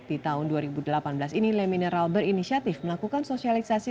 di tahun dua ribu delapan belas ini le mineral berinisiatif melakukan sosialisasi